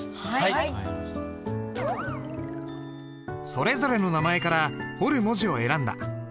それぞれの名前から彫る文字を選んだ。